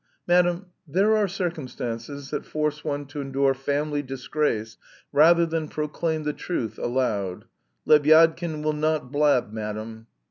"Madam, there are circumstances that force one to endure family disgrace rather than proclaim the truth aloud. Lebyadkin will not blab, madam!"